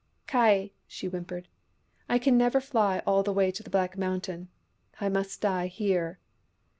" Ky !" she whimpered. " I can never fly all the way to the Black Mountain. I must die here."